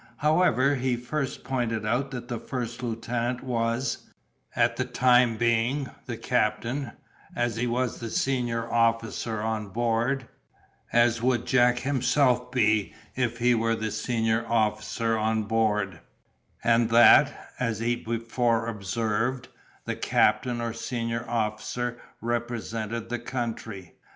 However, he first pointed out that the first lieutenant was, at the time being, the captain, as he was the senior officer on board, as would Jack himself be if he were the senior officer on board; and that, as he before observed, the captain or senior officer represented the country.